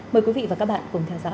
mời quý vị và các bạn cùng theo dõi